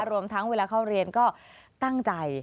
รวมทั้งเวลาเข้าเรียนก็ตั้งใจ